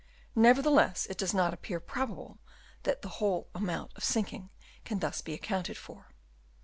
Nevertheless it does not appear probable that the whole amount of sinking can be thus accounted for.